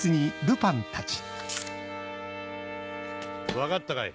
分かったかい？